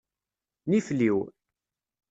Nifliw.